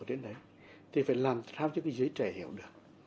đến đấy thì phải làm sao cho cái giới trẻ hiểu được